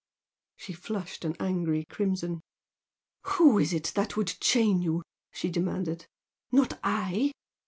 She flushed an angry crimson. "Who is it that would chain you?" she demanded, "Not I!